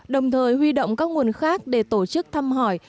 đồng thời huy động các nguồn khác để tổ chức thăm hỏi